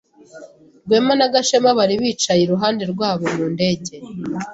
Rwema na Gashema bari bicaye iruhande rwabo mu ndege.